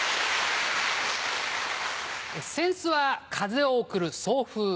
扇子は風を送る送風。